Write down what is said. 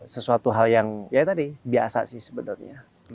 sesuatu hal yang ya tadi biasa sih sebenarnya